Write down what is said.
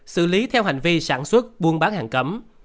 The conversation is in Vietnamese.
xử lý theo hành vi sản xuất buôn bán hàng cấm